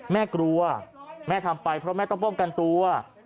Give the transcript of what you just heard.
แม่กลัวแม่ทำไปเพราะแม่ต้องป้องกันตัว